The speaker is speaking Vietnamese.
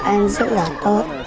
em rất là tốt